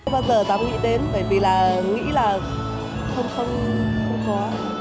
bởi vì là nghĩ là không không không có